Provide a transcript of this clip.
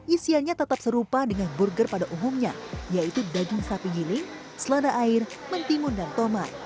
isiannya tetap serupa dengan burger pada umumnya yaitu daging sapi giling selada air mentimun dan tomat